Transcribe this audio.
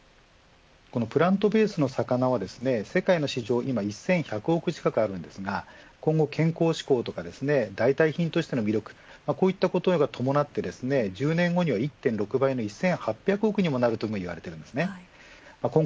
プラントベースの魚は世界の市場１１００億近くありますが今後、健康志向や代替品としての魅力などが伴って１０年後には１．６倍の１８００億にもなるというふうに言われています。